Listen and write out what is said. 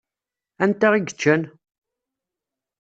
Anta i yeččan?